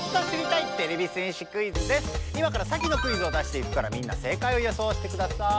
今回は今からサキのクイズを出していくからみんな正かいをよそうしてください。